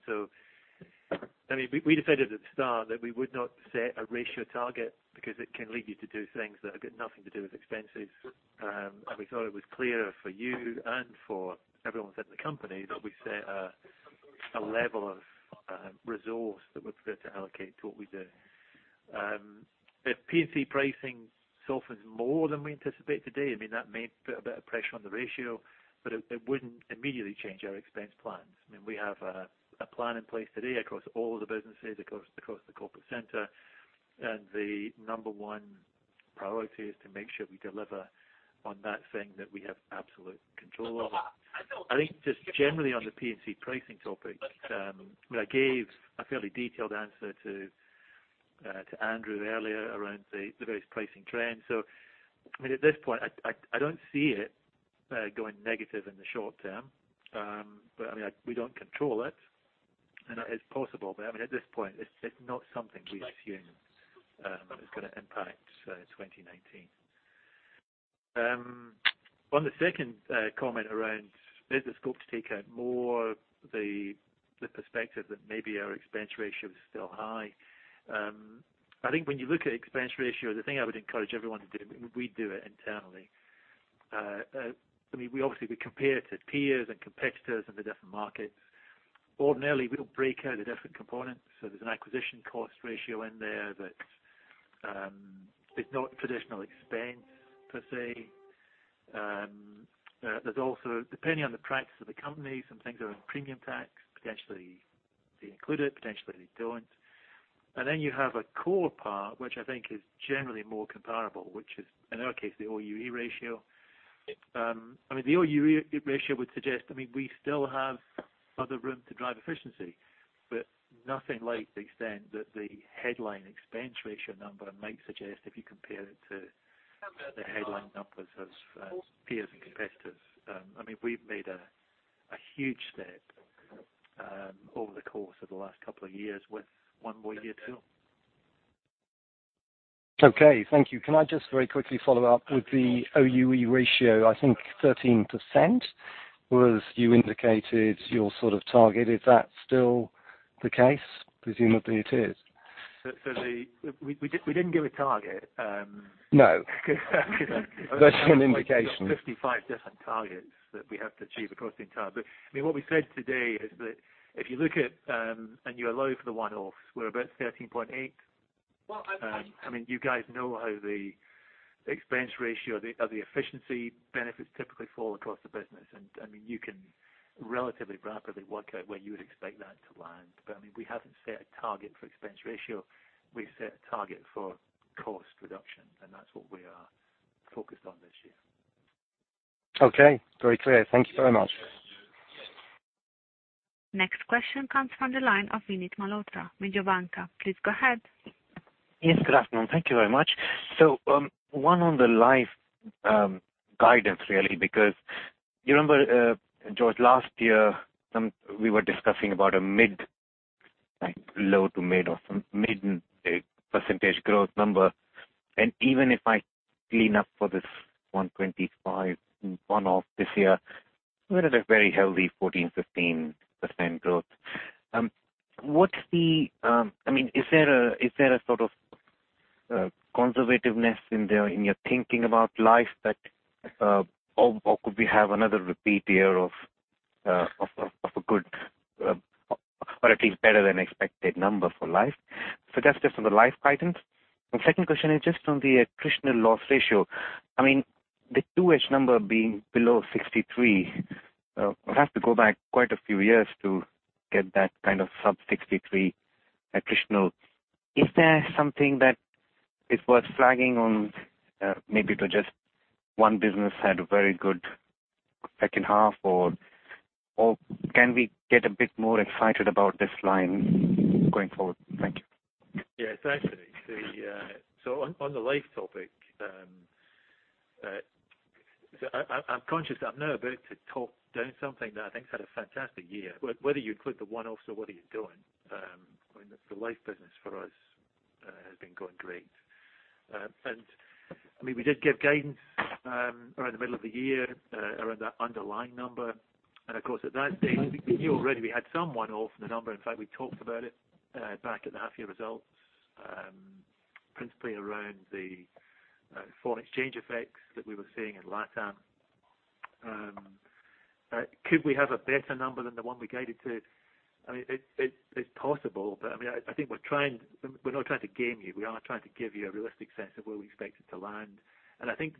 [SPEAKER 5] we decided at the start that we would not set a ratio target because it can lead you to do things that have got nothing to do with expenses. We thought it was clearer for you and for everyone within the company that we set a level of resource that we're prepared to allocate to what we do. If P&C pricing softens more than we anticipate today, that may put a bit of pressure on the ratio, it wouldn't immediately change our expense plans. We have a plan in place today across all the businesses, across the corporate center. The number one priority is to make sure we deliver on that thing that we have absolute control over. I think just generally on the P&C pricing topic, I gave a fairly detailed answer to Andrew earlier around the various pricing trends. At this point, I don't see it going negative in the short term. We don't control it. It is possible. At this point, it's not something we assume is going to impact 2019. On the second comment around, is the scope to take out more the perspective that maybe our expense ratio is still high. I think when you look at expense ratio, the thing I would encourage everyone to do, we do it internally. We obviously compare to peers and competitors in the different markets. Ordinarily, we don't break out the different components. There's an acquisition cost ratio in there that is not traditional expense, per se. There's also, depending on the practice of the company, some things are in premium tax, potentially they include it, potentially they don't. Then you have a core part, which I think is generally more comparable, which is, in our case, the OUE ratio. The OUE ratio would suggest we still have other room to drive efficiency, but nothing like the extent that the headline expense ratio number might suggest if you compare it to the headline numbers of peers and competitors. We've made a huge step over the course of the last couple of years with one more year to.
[SPEAKER 10] Okay. Thank you. Can I just very quickly follow up with the OUE ratio? I think 13% was you indicated your sort of target. Is that still the case? Presumably it is.
[SPEAKER 5] We didn't give a target.
[SPEAKER 10] No. Just an indication.
[SPEAKER 5] We've got 55 different targets that we have to achieve across the entire. What we said today is that if you look at, and you allow for the one-offs, we're about 13.8%. You guys know how the expense ratio or the efficiency benefits typically fall across the business. You can relatively rapidly work out where you would expect that to land. We haven't set a target for expense ratio. We set a target for cost reduction, and that's what we are focused on this year.
[SPEAKER 10] Okay. Very clear. Thank you very much.
[SPEAKER 1] Next question comes from the line of Vinit Malhotra, Mediobanca. Please go ahead.
[SPEAKER 11] Yes. Good afternoon. Thank you very much. One on the Life guidance, really, because you remember, George, last year, we were discussing about a mid, low to mid or some mid percentage growth number. Even if I clean up for this 125% one-off this year, we're at a very healthy 14%, 15% growth. Is there a sort of conservativeness in your thinking about Life? Could we have another repeat year of a good, or at least better than expected number for Life? That's just on the Life guidance. The second question is just on the attritional loss ratio. The 2H number being below 63, I'd have to go back quite a few years to get that kind of sub-63 attritional. Is there something that is worth flagging on maybe just one business had a very good second half? Can we get a bit more excited about this line going forward? Thank you.
[SPEAKER 5] Yes, actually. On the Life topic, I'm conscious I'm now about to talk down something that I think had a fantastic year. Whether you include the one-offs or whether you don't, the Life business for us has been going great. We did give guidance around the middle of the year around that underlying number. Of course, at that date, we knew already we had some one-off in the number. In fact, we talked about it back at the half-year results, principally around the foreign exchange effects that we were seeing in LatAm. Could we have a better number than the one we guided to? It's possible. I think we're not trying to game you. We are trying to give you a realistic sense of where we expect it to land. I think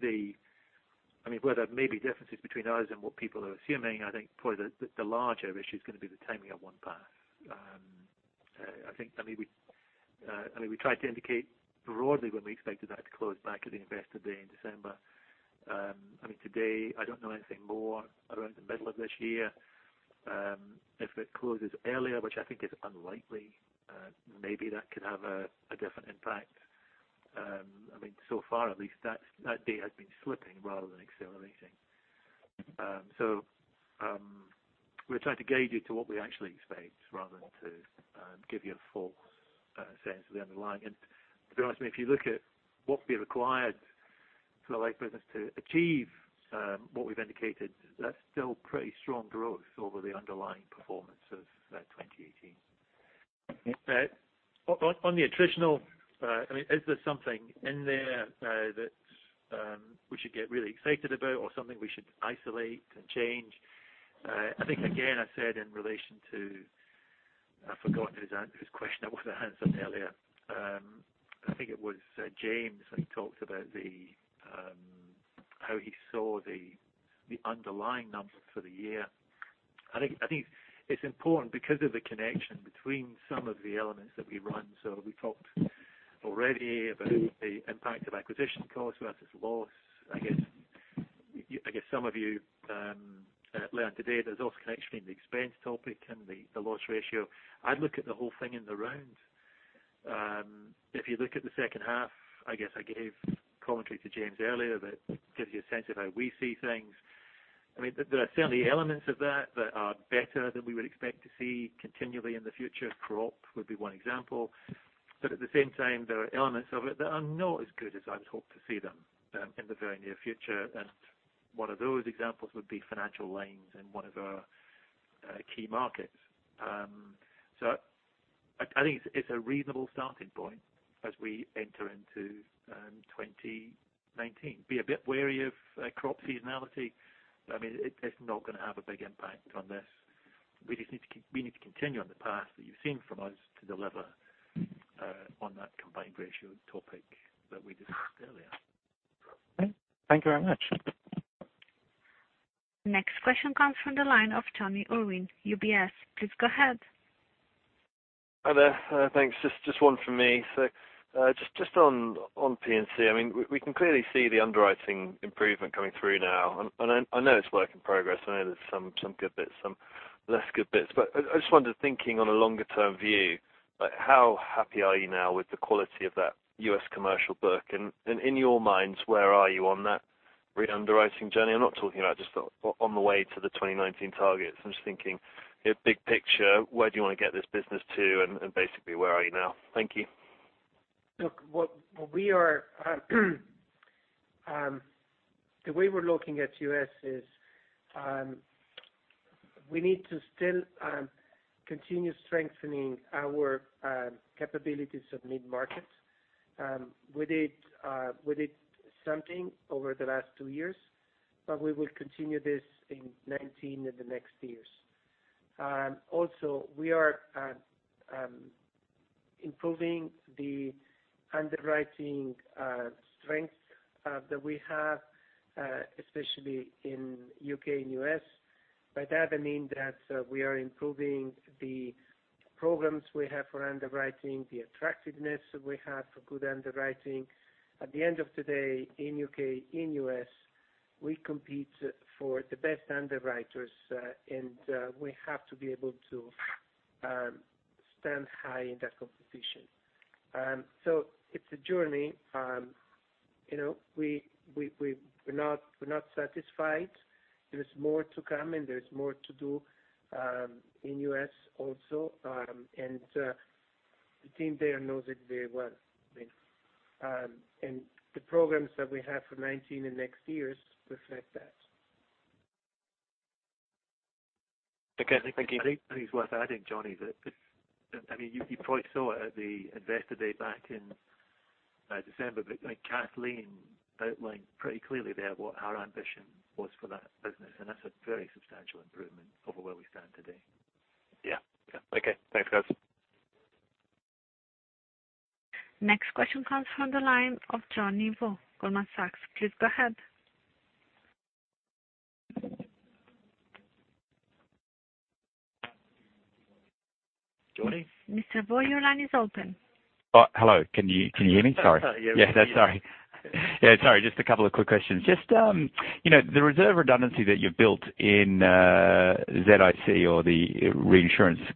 [SPEAKER 5] where there may be differences between us and what people are assuming, I think probably the larger issue is going to be the timing of OnePath. We tried to indicate broadly when we expected that to close back at the Investor Day in December. Today, I don't know anything more around the middle of this year. If it closes earlier, which I think is unlikely, maybe that could have a different impact. So far at least, that date has been slipping rather than accelerating. We're trying to gauge you to what we actually expect rather than to give you a false sense of the underlying. To be honest with you, if you look at what would be required for the Life business to achieve what we've indicated, that's still pretty strong growth over the underlying performance of 2018. On the attritional, is there something in there that we should get really excited about or something we should isolate and change? I think, again, I said in relation to I've forgotten whose question that was I answered earlier. I think it was James, and he talked about how he saw the underlying numbers for the year. I think it's important because of the connection between some of the elements that we run. We talked already about the impact of acquisition costs versus loss. I guess some of you learned today there's also a connection in the expense topic and the loss ratio. I'd look at the whole thing in the round. If you look at the second half, I guess I gave commentary to James earlier that gives you a sense of how we see things. There are certainly elements of that that are better than we would expect to see continually in the future. Crop would be one example. At the same time, there are elements of it that are not as good as I would hope to see them in the very near future. One of those examples would be financial lines in one of our key markets. I think it's a reasonable starting point as we enter into 2019. Be a bit wary of crop seasonality. It's not going to have a big impact on this. We need to continue on the path that you've seen from us to deliver on that combined ratio topic that we discussed earlier.
[SPEAKER 11] Okay. Thank you very much.
[SPEAKER 1] Next question comes from the line of Jonny Urwin, UBS. Please go ahead.
[SPEAKER 12] Hi there. Thanks. Just one from me. Just on P&C, we can clearly see the underwriting improvement coming through now. I know it's work in progress. I know there's some good bits, some less good bits. I just wondered, thinking on a longer term view, how happy are you now with the quality of that U.S. commercial book? In your minds, where are you on that re-underwriting journey? I'm not talking about just on the way to the 2019 targets. I'm just thinking, big picture, where do you want to get this business to, and basically, where are you now? Thank you.
[SPEAKER 3] Look, the way we're looking at the U.S. is we need to still continue strengthening our capabilities of mid-market. We did something over the last two years, but we will continue this in 2019 and the next years. Also, we are improving the underwriting strength that we have, especially in the U.K. and U.S. By that, I mean that we are improving the programs we have for underwriting, the attractiveness we have for good underwriting. At the end of today, in the U.K., in the U.S., we compete for the best underwriters, and we have to be able to stand high in that competition. It's a journey. We're not satisfied. There is more to come, and there's more to do in the U.S. also. The team there knows it very well. The programs that we have for 2019 and next years reflect that.
[SPEAKER 12] Okay. Thank you.
[SPEAKER 5] I think it's worth adding, Jonny, that you probably saw it at the Investor Day back in December, but Kathleen outlined pretty clearly there what our ambition was for that business, and that's a very substantial improvement over where we stand today.
[SPEAKER 12] Yeah. Okay. Thanks, guys.
[SPEAKER 1] Next question comes from the line of Johnny Vo, Goldman Sachs. Please go ahead.
[SPEAKER 5] Johnny?
[SPEAKER 1] Mr. Vo, your line is open.
[SPEAKER 13] Hello. Can you hear me? Sorry.
[SPEAKER 5] Yeah, we can hear you.
[SPEAKER 13] Yeah. Sorry. A couple of quick questions. The reserve redundancy that you've built in ZIC or the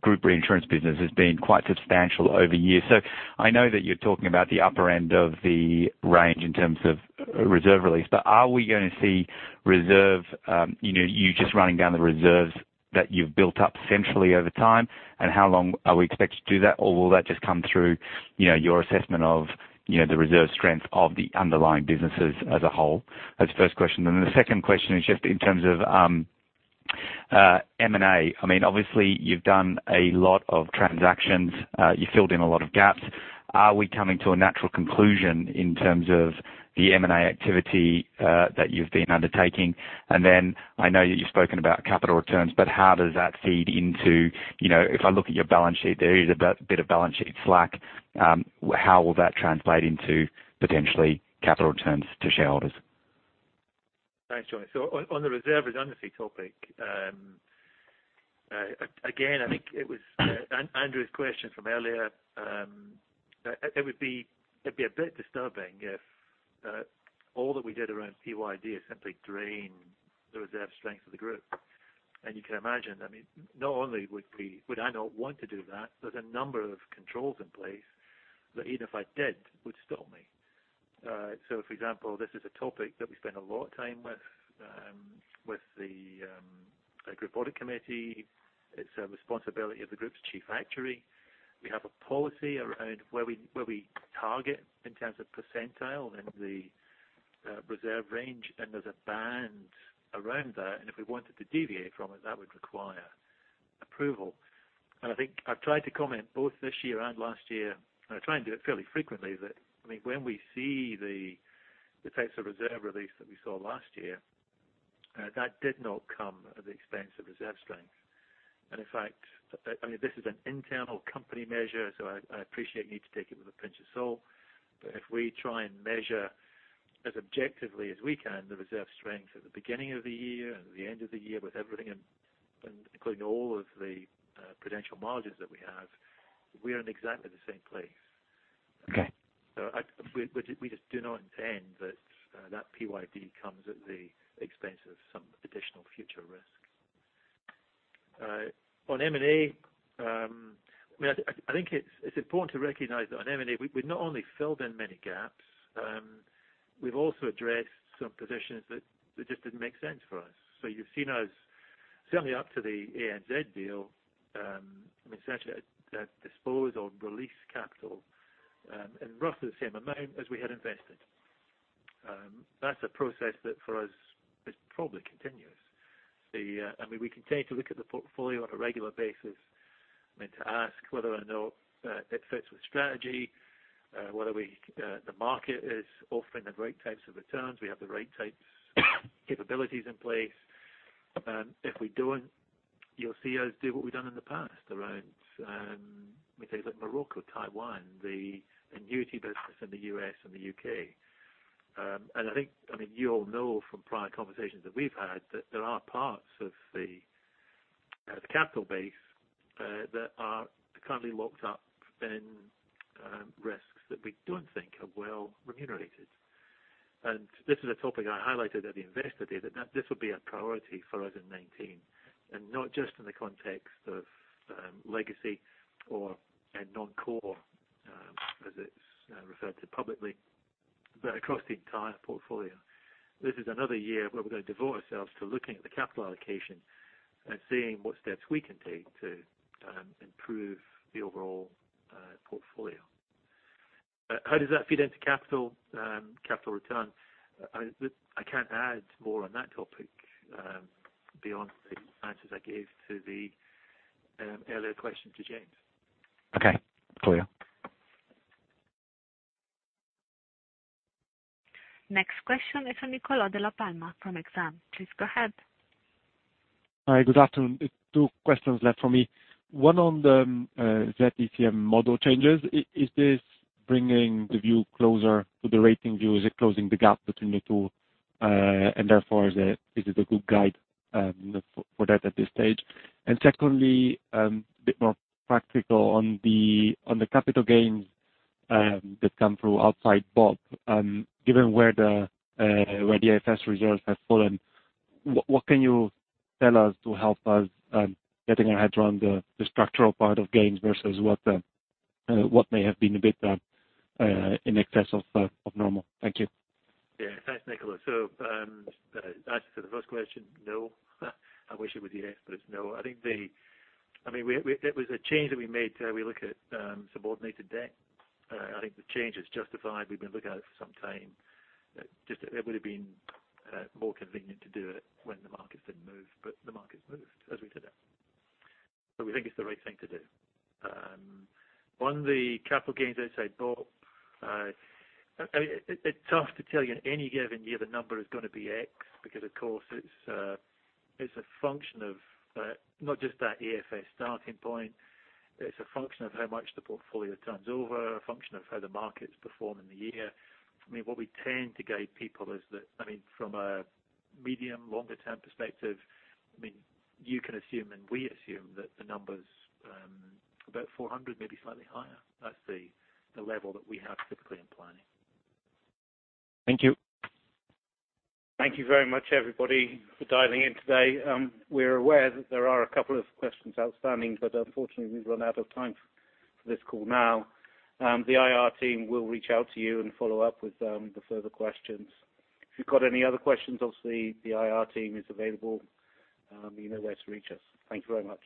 [SPEAKER 13] group reinsurance business has been quite substantial over years. I know that you're talking about the upper end of the range in terms of reserve release. Are we going to see you just running down the reserves that you've built up centrally over time? How long are we expected to do that? Or will that just come through your assessment of the reserve strength of the underlying businesses as a whole? That's the first question. The second question is just in terms of M&A. Obviously, you've done a lot of transactions. You filled in a lot of gaps. Are we coming to a natural conclusion in terms of the M&A activity that you've been undertaking? I know that you've spoken about capital returns, how does that feed into If I look at your balance sheet, there is a bit of balance sheet slack. How will that translate into potentially capital returns to shareholders?
[SPEAKER 5] Thanks, Johnny. On the reserve redundancy topic, again, I think it was Andrew's question from earlier. It would be a bit disturbing if all that we did around PYD is simply drain the reserve strength of the group. You can imagine, not only would I not want to do that, there's a number of controls in place that even if I did, would stop me. For example, this is a topic that we spend a lot of time with the Group Audit Committee. It's a responsibility of the Group Chief Actuary. We have a policy around where we target in terms of percentile in the reserve range, and there's a band around that, and if we wanted to deviate from it, that would require approval. I think I've tried to comment both this year and last year, I try and do it fairly frequently, that when we see the types of reserve release that we saw last year, that did not come at the expense of reserve strength. In fact, this is an internal company measure, so I appreciate you need to take it with a pinch of salt. If we try and measure as objectively as we can the reserve strength at the beginning of the year and at the end of the year, with everything, including all of the prudential margins that we have, we are in exactly the same place.
[SPEAKER 13] Okay.
[SPEAKER 5] We just do not intend that that PYD comes at the expense of some additional future risk. On M&A, I think it's important to recognize that on M&A, we've not only filled in many gaps, we've also addressed some positions that just didn't make sense for us. You've seen us certainly up to the ANZ deal, essentially dispose or release capital in roughly the same amount as we had invested. That's a process that for us is probably continuous. We continue to look at the portfolio on a regular basis, to ask whether or not it fits with strategy, whether the market is offering the right types of returns, we have the right types of capabilities in place. If we don't, you'll see us do what we've done in the past around things like Morocco, Taiwan, the annuity business in the U.S. and the U.K. I think you all know from prior conversations that we've had, that there are parts of the capital base that are currently locked up in risks that we don't think are well-remunerated. This is a topic I highlighted at Investor Day, that this will be a priority for us in 2019, not just in the context of legacy or non-core, as it's referred to publicly, but across the entire portfolio. This is another year where we're going to devote ourselves to looking at the capital allocation and seeing what steps we can take to improve the overall portfolio. How does that feed into capital return? I can't add more on that topic beyond the answers I gave to the earlier question to James.
[SPEAKER 13] Okay. Clear.
[SPEAKER 1] Next question is from Niccolo Dalla Palma from Exane. Please go ahead.
[SPEAKER 14] Hi, good afternoon. Two questions left from me. One on the Z-ECM model changes. Is this bringing the view closer to the rating view? Is it closing the gap between the two, and therefore, is it a good guide for that at this stage? Secondly, a bit more practical on the capital gains that come through outside BOP. Given where the AFS reserves have fallen, what can you tell us to help us getting our heads around the structural part of gains versus what may have been a bit in excess of normal? Thank you.
[SPEAKER 5] Thanks, Niccolo. As to the first question, no. I wish it was yes, it's no. It was a change that we made to how we look at subordinated debt. I think the change is justified. We've been looking at it for some time. It would have been more convenient to do it when the markets didn't move, the markets moved as we did it. We think it's the right thing to do. On the capital gains outside BOP, it's tough to tell you in any given year the number is going to be X, because of course, it's a function of not just that AFS starting point. It's a function of how much the portfolio turns over, a function of how the markets perform in the year. What we tend to guide people is that from a medium, longer term perspective, you can assume, and we assume, that the number's about 400, maybe slightly higher. That's the level that we have typically in planning.
[SPEAKER 14] Thank you.
[SPEAKER 2] Thank you very much, everybody, for dialing in today. We're aware that there are a couple of questions outstanding. Unfortunately, we've run out of time for this call now. The IR team will reach out to you and follow up with the further questions. If you've got any other questions, obviously, the IR team is available. You know where to reach us. Thank you very much.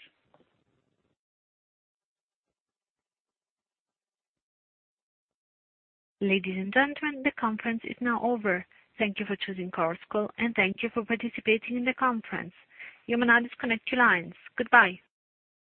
[SPEAKER 1] Ladies and gentlemen, the conference is now over. Thank you for choosing Chorus Call. Thank you for participating in the conference. You may now disconnect your lines. Goodbye.